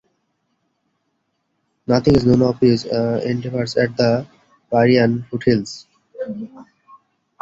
Nothing is known of his endeavors at the Pyrenean foothills.